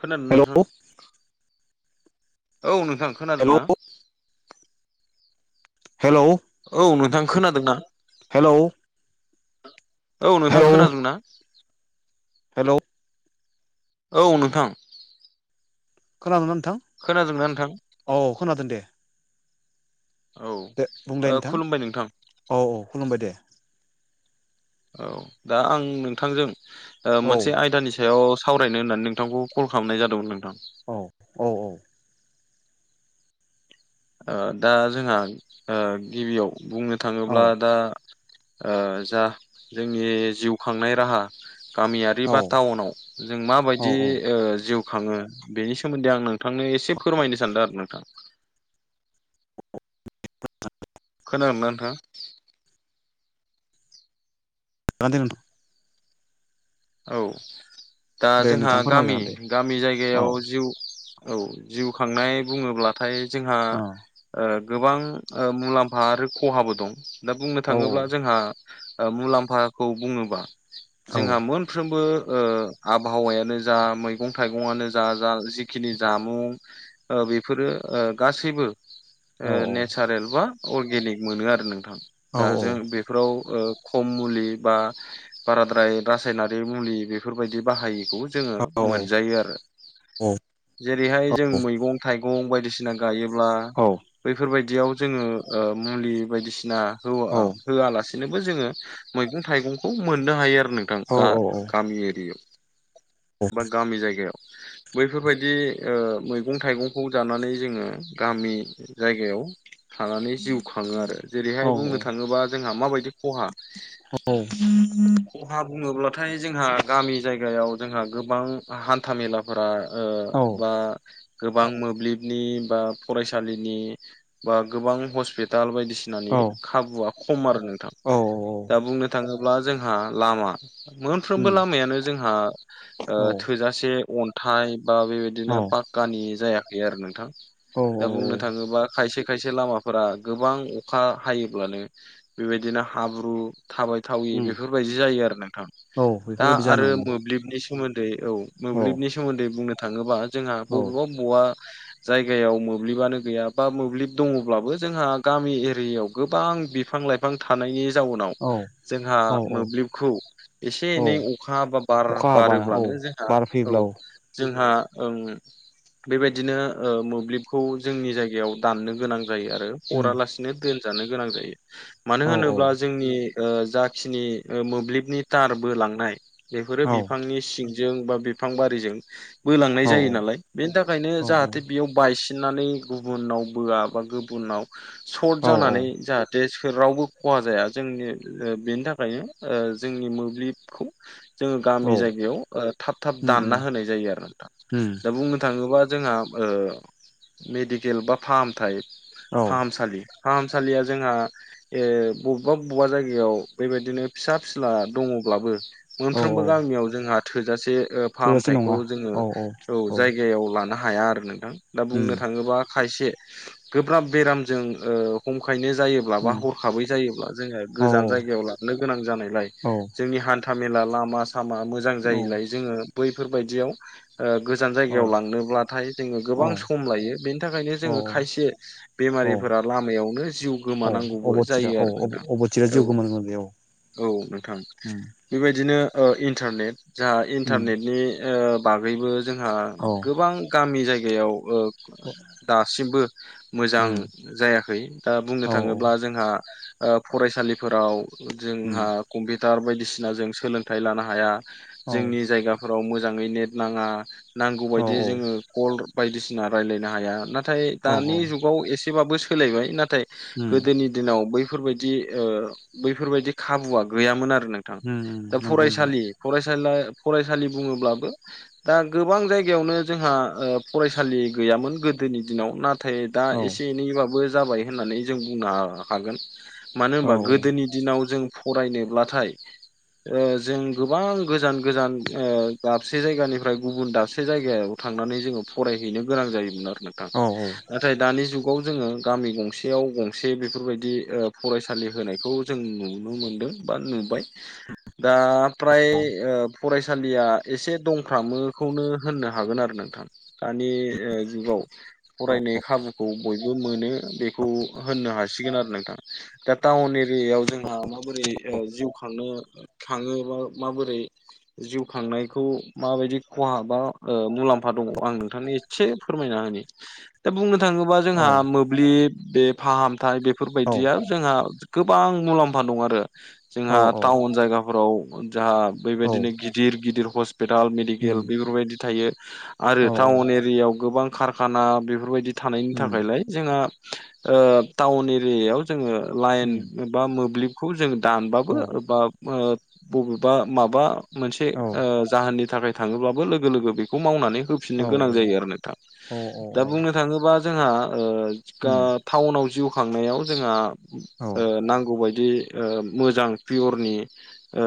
खोनादों ना नोंथां हेलौ औ नोंथां हेलौ खोनादोंना? हेलौ औ नोंथां खोनादों ना हेलौ औ नोंथां हेलौ खोनादों ना? हेलौ औ नोंथां खोनादोंना नोंथां खोनादोंना नोंथां? औ खोनादों दे औ दे बुंलाय ओ नोंथां खुलुमबाय नोंथां औ औ खुलुमबाय दे औ दा आं नोंथांजों औ मोनसे आयदानि सायाव स सावरायनो होननानै नोंथांखौ कल खालामनाय जादोंमोन नोंथां औ औ औ ओ दा जोंहा ओ गिबियाव बुंनो औ थाङोब्ला दा ओ जा जोंनि जिउ खांनाय राहा गामियारि औ बा टाउनाव जों औ माबायदि औ ओ जिउ खाङो बेनि सोमोन्दै आं नोंथांनो एसे फोरमायनो सानदों आरो नोंथां। खोनादोंना नोंथां? [unintelligible] औ दा दे जोंहा नोंथां गामि फोरमायजागोन दे गामि औ जायगायाव जिउ औ जिउ खांनाय बुङोब्लाथाय जोंहा औ ओ गोबां मुलाम्फा आरो खहाबो दं दा बुंनो औ थाङोब्ला जोंहा ओ मुलाम्फाखौ बुङोबा औ जोंहा मोन फ्रोमबो ओ आबहावायानो जा मैगं थाइगंआनो जा जा जिखिनि जामुं ओ बेफोरो ओ गासैबो औ ओ नेचारेल बा अर्गेनिक मोनो आरो नोंथां औ दा जों बे फ्राव ओ खम मुलि बा बाराद्राय रासायनारि रि बे मुलि बेफोरबायदि बाहायिखौ जोंङो औ मोनजायो आरो जेरैहाय औ जों मैगं थाइगं बायदिसिना गायोब्ला औ। बैफोरबायदियाव ओ जोङो मुलि बायदिसिना होआ औ औ होआलासिनो बो जोङो मैगं थाइगंखौ मोननो हायो आरो नोंथां गा-गामि एरियायाव। बा गामि जायगायाव। बैफोरबायदि ओ मैगं थाइगंखौ जानानै जोङो गामि जायगायाव थानानै जिउ खाङो आरो। जेरैहाय बुंनो थाङोबा जोंहा माबायदि खहा खहा बुङोब्लाथाय जोंहा गामि जायगायाव जोंहा गोबां हान था मेलाफोरा ओ बा गोबां मोब्लिबनि बा फरायसालिनि बा गोबां हस्पिटाल बायदि सिनानि खाबुआ खम आरो नोंथां। दा बुंनो थाङोब्ला जोंहा लामा। मोनफ्रोमबो उम लामायानो जोंहा ओ औ औ थोजासे अन थाइ बा बेबायदिनो औ पाक्कानि जायाखै आरो नोंथां। औ दा बुंनो थाङोबा खायसे खायसे लामाफोरा गोबां अखा हायोब्लानो बेबायदिनो हाब्रु थाबाय थावि उम बेफोरबायदि जायो आरो नोंथां। औ दा बेफोरबायदि जानो आरो हमो मोब्लिबनि सोमोन्दै दै औ मोब्लिबनि औ सोमोन्दै बुंनो थाङोबा जोंहा औ बबेबा बबेबा जायगायाव मोब्लिबानो गैया बा मोब्लिब दङब्लाबो जोंहा गामि एरियायाव गोबां बिफां लाइ बिफां थानायनि जाउनाव औ जोंहा औ औ मोब्लिबखौ एसे एनै औ अखा बा बार अखा हाबानो बारोब्लानो औ जोंहा बार औ फैब्ला जोंहा ओं ओं बेबायदिनो ओ मोब्लिबखौ जोंनि जायगायाव दाननो गोनां जायो आरो। उम अरालासिनो दोनजानो गोनां जायो। मानो औ औ होनोब्ला जोंनि ओ जाखिनि ओ मोब्लिबनि थारबो लांनाय बेफोरो औ नि सिंजों बा बिफां बारिजों बोलांनाय औ जायो नालाय बेनि थाखायनो जाहाथे बेयाव बायसिननानै गुबुनाव बोआ बा गुबुनाव सर्ट औ जानानै जाहा थे सोर रावबो खहा जाया जोंनि बेनि थाखायनो ओ जोंनि मोब्लिबखौ जोङो गामि औ जायगायाव ओ थाब थाब उम दानना उम होनाय जायो आरो नोंथा। उम दा बुंनो थाङोबा जोंहा मेडिकेल बा फाहामथाइ औ फाहामसालि फाहामसालिया जोंहा ए बबेबा बबेबा जायगायाव बेबायदिनो फिसा फिला दङब्लाबो औ फ्रोमबो गामियाव जोंहा थोजासे ओ थोजासे फाहामथायखौ नङा जोङो औ औ जायगायाव लानो हाया आरो नोंथां। दा उम बुंनो थाङोबा खायसे गोब्राब बेरामजों ओ हमखायनो जायोब्लाबा उम हर बै जायोब्ला जोंङो औ गोजान जायगायाव लांनो गोनां जानायलाय औ जोंनि हान्था मेला ला मा सामा मोजां औ जायैलाय जोङो बैफोरबायदियाव ओ गोजान जायगायाव लांनोब्लाथाय जोङो गोबां सम लायो। बेनि थाखायनो औ जोङो खायसे औ बेमारिफोरा लामायावनो जिउ गोमानांगौबो जायो आरो। अब नोंथां अबथिरा जिउ औ गोमानांगोन बेयाव। औ नोंथां बेबायदिनो ओ इन्टारनेट जोहा उम इन्टारनेटनि ओ बागैबो जोंहा औ गोबां गामि जायगायाव ओ दासिमबो मोजां उम जायाखै। दा बुंनो औ थाङोब्ला जोंहा ओ फरायसालिफोराव उम जोंहा कम्पिउटार बायदिसिना जों सोलोंथाइ लानो हाया। औ जोंनि जायगाफोराव मोजाङै नेट नाङा औ नांगौबायदि जोङो औ कल बायदिसिना रायलायनो हाया नाथाय औ औ दानि जुगाव एसेबाबो सोलायबाय नाथाय उम गोदोनि दिनाव बैफोरबायदि ओ बैफोरबायदि खाबुआ गैयामोन आरो नोंथां। उम उम दा नंगौ फरायसालि नोंथां फरायसाला फरायसालि बुङोब्लाबो दा गोबां जायगायावनो जोंहा ओ फरायसालि गैयामोन गोदोनि दिनाव ना थाय दा एसे एनैबाबो जाबाय होननानै जों बुंनो हा-हागोन। मानो औ होनबा औ औ गोदोनि दिनाव जों फरायनोब्लाथाय ओ जों गोबां गोजान गोजान आ दाबसे जायगानिफ्राय गुबुन दाबसे जायगायाव थांनानै जोङो फरायहैनो गोनां जायोमोन आरो नोंथां। औ नाथाय दानि जुगाव जोङो गामि गंसेयाव गंसे बेफोरबायदि ओ फरायसालि होनायखौ जों नुनो मोनदों बा नुबाय दा फ्राय ओ फरायसालिया एसे दंफ्रामोखौनो होननो हागोन आरो नोंथां। दानि ओ जुगाव फरायनाय खाबुखौ बयबो मोनो बेखौ होननो हासिगोन आरो नोंथां। दा टाउन एरियायाव जोंहा माबोरै ओ जिउ खांनो खाङो बा माबोरै जिउ खांनायखौ माबायदि खहा बा ओ मुलाम्फा दङ आं नोंथांनो एसे फोरमायना होनि [inaudible] दा बुंनो थाङोबा जोंहा मोब्लिब बे फाहामथाय बेफोरबायदिया जोंहा गोबां मुलाम्फा दं आरो जोंहा टाउन जायगाफोराव जा बेबायदिनो गि गिदिर गिदिर हस्पिटाल मेडिकेल बेफोरबायदि थायो आरो टाउन एरियाव गोबां खारखाना बेफोरबायदि थानायनि थानायनिथाखायलाय जोंहा ओ टाउन एरियायाव जोङो लाइन एबा मोब्लिबखौ जोङो दानबाबो बा ओ बबेबा माबा मोनसे ओ जाहोननि थाखाय थाङोब्लाबो लोगो लोगो बेखौ मावनानै होफिननो औ गोनां जायो आरो नोंथां। दा बुंनो थाङोबा जोंहा ओ गाटाउनाव जिउ खांनायाव जोंहा ओ नांगौ बादि ओ मोजां पियरनि ओ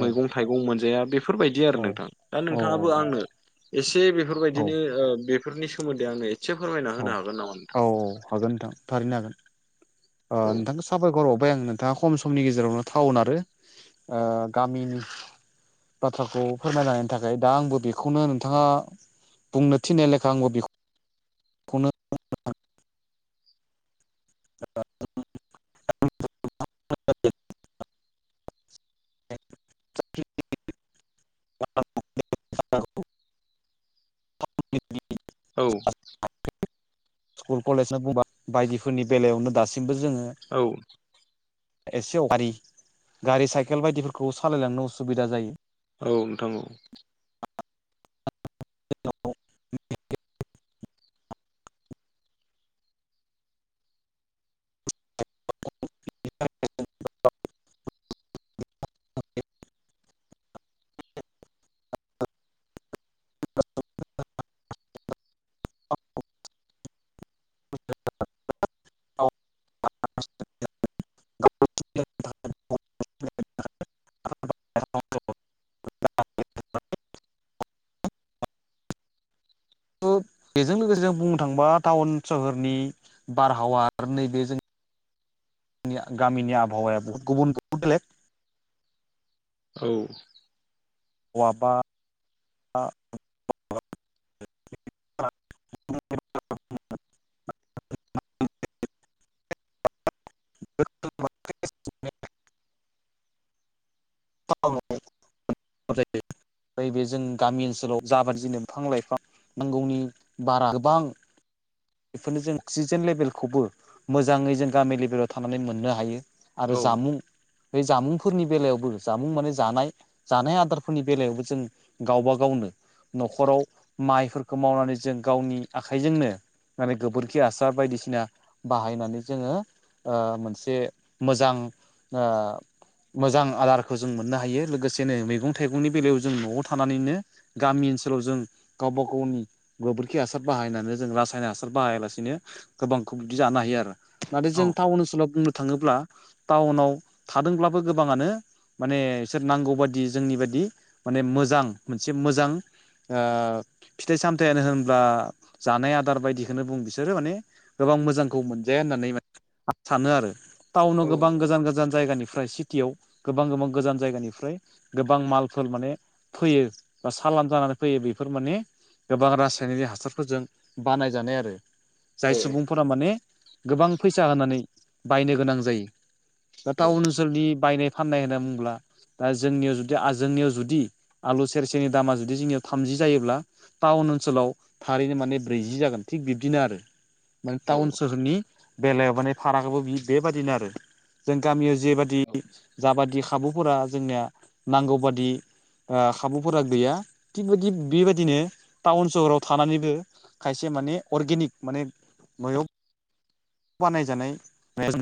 मैगं थाइगं मोनजाया बेफ फोरबायदि आरो नोंथां दा नोंथाङाबो आंनो एसे औ बेफोरबायदिनो ओ बे फोरनिमोन्दै आंनो ए औ औ औ हागोन नोंथां थारैनो हागोन ओ औ नोंथां स साबायखर बावबाय आं नोंथाङा खम समनि गेजेरावनो टाउन आरो ओ गामिनि बाथ्राखौ फोरमायनायनि थाखाय दा आंबो बेखौनो नोंथाङा बुंनो थिननाय लेखा आंबो बेखौ आ [unintelligible] [inaudible] [inaudible] औ [unintelligible] ह [unintelligible] औ। [inaudible] स्कुल कलेजनो बुंबा बायदिफोरनि बेलायावनो दासिमबो जोङो औ। एसेयाव गारि गारि साइकेल बायदिफोरखौ सालायलांनो उसुबिदा जायो। औ नोंथां औ। [unintelligible] [inaudible] [unintelligible] [inaudible] [inaudible] [inaudible] [inaudible] बेजों लोगोसे जों बुंनो थांबा टाउन सहरनि बारहावा नैबे जों नि गामिनि आबहावाया बहुद गुबुन बहुद बेलेग। औ। वा बा [inaudible] [inaudible] नैबे जों गामि ओनसोलाव जाबादिनो बिफां लाइफां नांगौनि बारा गोबां बेफोरनो जों अक्सिजेन लेभेलखौबो मोजाङै जों गामि लेभेलाव थानानै मोननो हायो। आरो औ जामुं बे जामुंफोरनि बेलायावबो जामुं माने जानाय। जानाय आदारफोरनि बेलायावबो जों गावबा गावनो न'खराव माइफोरखौ मावनानै जों गावनि आखाइजोंनो माने गोबोरखि हासार बायदिसिना बाहायनानै जोङो ओ मोनसे मोजां ओ मोजां आदारखौ जों मोननो हायो लोगोसेनो मैगं थाइगंनि बेलायाव जों न'आव थानानैनो गामि ओनसोलाव जों गावबा गावनि गोबोरखि हासार बाहायनानै जों रासायन हासा सार बाहायालासेनो गोबांखौ बिदि जानो हायो आरो नाथाय जों औ टाउन ओनसोलाव बुंनो थाङोब्ला टाउनाव थादोंब्लाबो गोबांङानो माने बिसोर नांगौ बादि जोंनि बादि माने मोजां मोनसे मोजां ओ फिथाइ सामथायानो होनब्ला जानाय आदार बायदि बिदिनो बुं बिसोरो माने गोबां मोजांखौ मोनजाया होननानै [unintelligible] आं सानो आरो। औ टाउनाव गोबां गोजान गोजान जायगानि फ्राय सिटियाव गोबां गोबां गोजान जायगानिफ्राय गोबां मालफोर माने फैयो बा सालान जानानै फैयो बेफोर माने गोबां रासायनिक हासारफोरजों बानायजानाय आरो। जाय सुबुंफोरा माने गोबां फैसा होनानै बायनो गोनां जायो। दा टाउन ओनसोलनि बायनाय फाननाय होनना बुङोब्ला दा जोंनियाव जुदि आ जोंनियाव जुदि आलु सेरसेेरनि दामा जुदि जोंनियाव थामजि जायोब्ला टाउन ओनसोलाव थारैनो माने ब्रैजि जागोन। थिग बिब्दिनो आरो माने टाउन सोहोरनि बेलायाव माने फारागाबो बेबायदिनो आरो जों गामियाव जेबाय दि जाबादि खाबुफोरा जोंनिया नांगौ बादि ओ खाबुफोरा गैया थिगबायदि बेबायदिनो टाउन सहराव थानानैबो खायसे माने अर्गेनिक माने न'आव बानायजानाय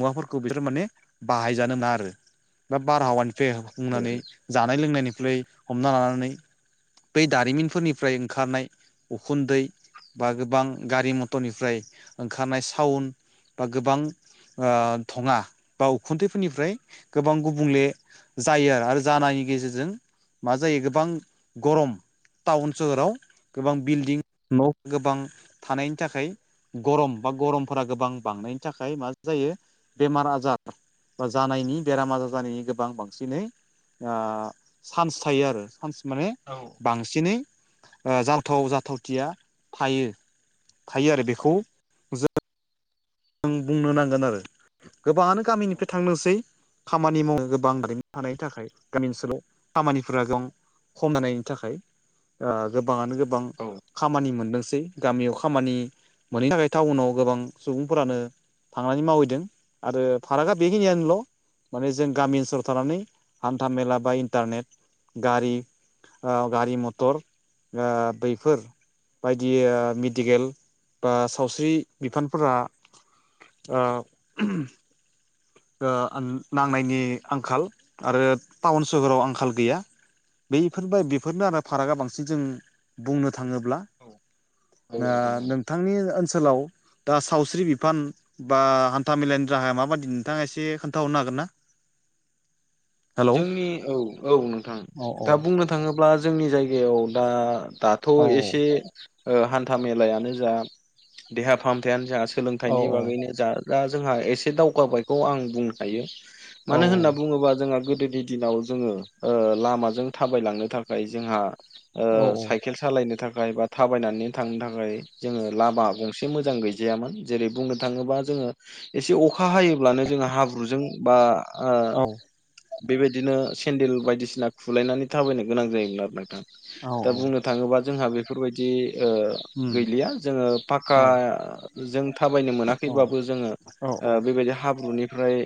मुवाफोरखौ बिसोरो माने बाहायजानो मोना आरो। बा बारहावानिफ्राय होब बुंनानै जानाय लोंनायनिफ्राय हमना लानानै बै दारिमिनफोरनिफ्राय ओंखारनाय उखुन्दै बा गोबां गारि मथरनिफ्राय ओंखारनाय साउन्ड बा गोबां ओ धंङा बा उखुन्दैफोरनिफ्राय गोबां गुबुंले जायो आरो आरो जानायनि गेजेरजों मा जायो गोबां गरम टाउन सोहोराव गोबां बिल्डिं न' गोबां थानायनि थाखाय गरम बा गरमफोरा गोबां बांनायनि थाखाय मा जायो बेमार आजार बा जानायनि बेराम आजार जानायनि गोबां बांसिनै ओ चान्स थायो आरो चान्स माने औ। बांसिनै जालथाव जाथावथिया थायो। थायो आरो बेखौ आं बुंनो नांगोन आरो गोबाङानो गामिनिफ्राय थांनोसै खामानि मावनो गोबां दारिमिन थानायनि थाखाय गामि ओनसोलाव खामानिफोरा गोबां खमनानायनि थाखाय ओ गोबाङानो गोबां औ। खामानि मोनदोंसै गामियाव खामानि मोनैनि थाखाय टाउनाव गोबां सुबुं फोरानो थांनानै मावहैदों आरो फारागआ बेखिनियानोल'। माने जों गामि ओनसोलाव थानानै हान्था मेला बा इन्टारनेट गारि ओ गारि मथर ओ बैफोर बायदि ओ मेडिकेल बा सावस्रि बिफानफोरा ओं। [unintelligible] ओ आं नांनायनि आंखाल आरो टाउन सोहोराव आंखाल गैया। बैफोर बाय बेफोरनो आरो फारागा बांसिन जों बुंनो थाङोब्ला। औ [inaudible] नोंथां औ ओ थांनि ओनसोलाव दा सावस्रि बिफान बा हान्था मेलानि राहाया माबायदि? थांआ एसे खोनथाहरनो हागोन ना? हेलौ जोंनि औ औ नोंथां औ औ दा बुंनो थाङोब्ला जोंनि जायगायाव दा थ' औ एसे हान्था मेलायानो जा देहा फाहामथायानो जा औ सोलोंथाइनि बागैनो जा दा जोंहा एसे दावगाबायखौ आं बुंनो हायो। औ मानो होन्ना बुङोब्ला जोंहा गोदोनि दिनाव जोङो लामाजों थाबायलांनो थाखाय जोंहा औ सकेल सालायनो थाखाय बा थाबायनानै थांनो थाखाय। जोङो लामा गंसे मोजां गैजायामोन। जेरै बुंनो थाङोबा जोङो एसे अखा हायोब्लानो जोंना हाब्रुजों बा ओ औ बेबायदिनो सेन्देल बायदिसिना खुलायनानै थाबायनो गोनां जायोमोन आरो नोंथां। औ दा औ बुंनो थाङोबा जोंहा बेफोरबायदि ओ उम गैलिया जों औ फाख्खाजों थाबायनो औ मोनाखैबाबो जोङो औ बेबायदि हाब्रुनिफ्राय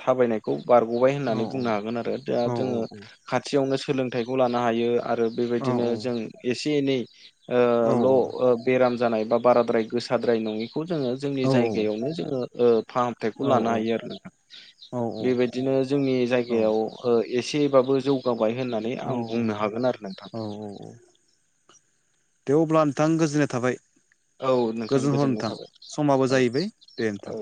थाबायनाय खौ बारग'बाय औ होननानै बुंनो हागोन आरो, दा औ औ जोङो खाथियावनो सोलोंथाइखौ लानो हायो आ रो औ बेबायदिनो जों एसे एनै ओ औ ल' बे जानाय बा बाराद्राय गोसाद्राय नङिखौ जोङो जोंनि जायगायावनो जोङो ओ फाहाम फिथाइखौ औ लानो हायो आरो बेबायदिनो जोंनि जायगायाव एसेबाबो जौगाबाय होननानै आं बुंनो हागोन आरो नोंथां। औ औ दे अब्ला नोंथां गोजोननाय थाबाय। औ नोंथां गोजोन हर गोजोननाय नोथां। थाबाय समाबो औ जाहैबाय दे नोंथां। औ